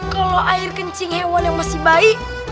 kalau air kencing hewan yang masih baik